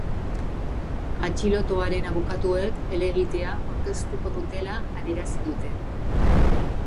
Atxilotuaren abokatuek helegitea aurkeztuko dutela adierazi dute.